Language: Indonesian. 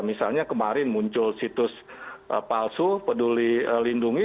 misalnya kemarin muncul situs palsu peduli lindungi